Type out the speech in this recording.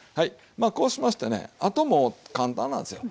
こうしましてねあともう簡単なんですよ。